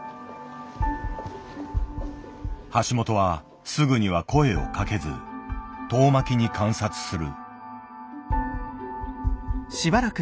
橋本はすぐには声をかけず遠巻きに観察する。